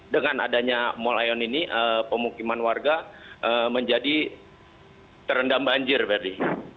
dengan adanya mall aeon ini pemukiman warga menjadi terendam banjir ferdi